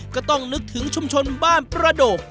ก็ต้องนึกถึงชุมชนบ้านประโดก